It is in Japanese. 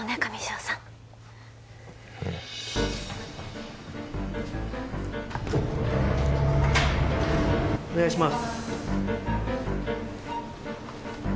うんお願いします